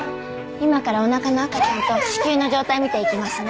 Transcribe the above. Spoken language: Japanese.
今からおなかの赤ちゃんと子宮の状態診ていきますね。